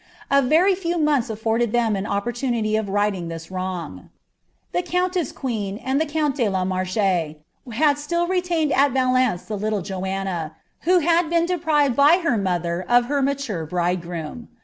A very It" months afforded them an opportunity of righting this wrong. The countcss queen and tfie count de U .Marche had still retained U ^'aleiice the little Joanna, who had been deprived by her mother of im mature bridegroom.